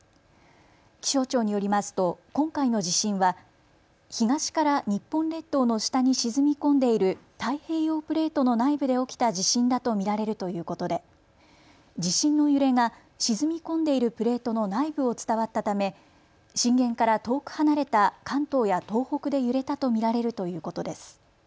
気象庁によりますと今回の地震は東から日本列島の下に沈み込んでいる太平洋プレートの内部で起きた地震だと見られるということで地震の揺れが沈み込んでいるプレートの内部を伝わったため震源から遠く離れた関東や東北で揺れたと見られるということです。